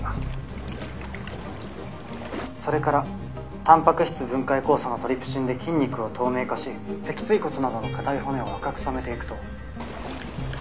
「それからたんぱく質分解酵素のトリプシンで筋肉を透明化し脊椎骨などの硬い骨を赤く染めていくと」